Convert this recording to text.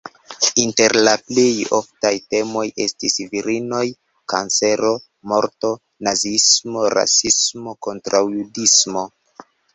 Inter la plej oftaj temoj estis virinoj, kancero, morto, naziismo, rasismo, kontraŭjudismo.